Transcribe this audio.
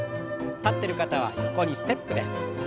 立ってる方は横にステップです。